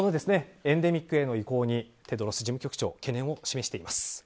エンデミックへの移行にテドロス事務局長懸念を示しています。